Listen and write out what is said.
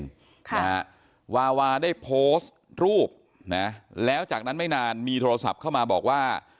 ค่ะนะฮะวาวาได้โพสต์รูปนะแล้วจากนั้นไม่นานมีโทรศัพท์เข้ามาบอกว่า